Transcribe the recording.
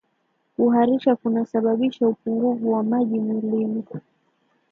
kuharisha kunasababisha upungufu wa maji mwilini